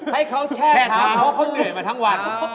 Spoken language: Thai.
ให้เขาแช่เท้าเพราะเขาเหนื่อยมาทั้งวัน